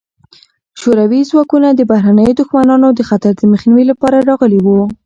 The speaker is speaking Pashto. شوروي ځواکونه د بهرنیو دښمنانو د خطر د مخنیوي لپاره راغلي وو.